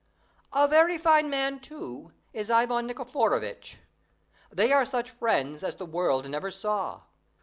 A very fine man too is Ivan Nikiforovitch. They are such friends as the world never saw.